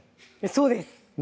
そうです